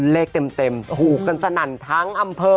เลขเต็มถูกกันสนั่นทั้งอำเภอ